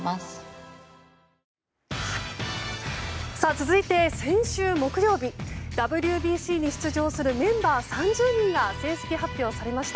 続いて、先週木曜日ＷＢＣに出場するメンバー３０人が正式発表されました。